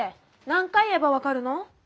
何回言えば分かるの？